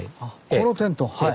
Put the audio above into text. このテントはい。